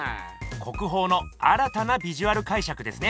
国宝の新たなビジュアルかいしゃくですね。